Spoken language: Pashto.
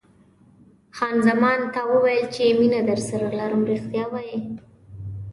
خان زمان: تا وویل چې مینه درسره لرم، رښتیا وایې؟